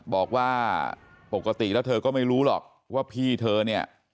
บอกว่าปกติแล้วเธอก็ไม่รู้หรอกว่าพี่เธอเนี่ย